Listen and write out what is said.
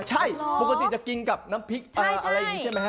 ใช่ปกติจะกินกับน้ำพริกอะไรอย่างนี้ใช่ไหมฮ